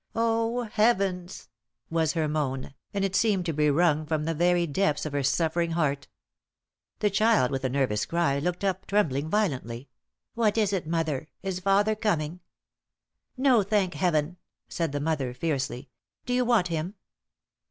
"Oh, Heavens!" was her moan, and it seemed to be wrung from the very depths of her suffering heart. The child, with a nervous cry, looked up, trembling violently. "What is it mother? Is father coming?" "No, thank Heaven!" said the mother, fiercely. "Do you want him?"